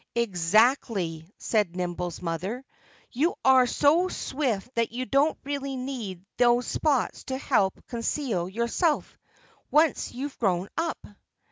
"Exactly!" said Nimble's mother. "You are so swift that you don't really need those spots to help conceal yourself, once you're grown up."